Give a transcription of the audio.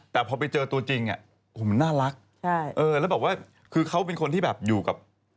แต่พอไปเจอตัวจริงน่ารักแล้วแบบว่าคือเขาเป็นคนที่แบบอยู่กับ